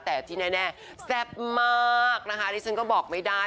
แต่ที่แน่แซ่บมากนะคะดิฉันก็บอกไม่ได้